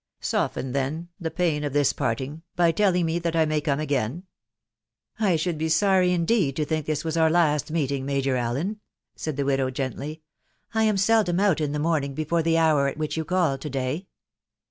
... Soften, then, the pain of this parting, by telling me that I may come again !"" I should be sorry indeed to think this was our last meet ing, Major Allen," said the widow gently ; "lam seldom out in the morning before the hour at which you called to day."